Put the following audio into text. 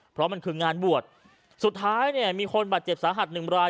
เพราะมันคืองานบวชสุดท้ายเนี่ยมีคนบาดเจ็บสาหัสหนึ่งราย